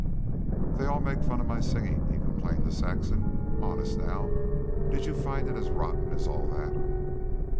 "They all make fun of my singin'," he complained to Saxon. "Honest, now, do you find it as rotten as all that?"